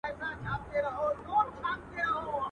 په صفت مړېده نه وه د ټوكرانو.